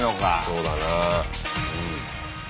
そうだな。